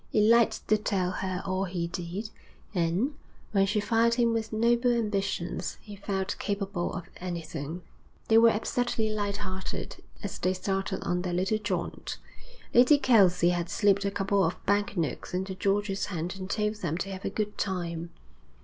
He liked to tell her all he did, and, when she fired him with noble ambitions, he felt capable of anything. They were absurdly light hearted, as they started on their little jaunt. Lady Kelsey had slipped a couple of banknotes into George's hand and told them to have a good time.